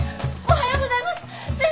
おはようございます。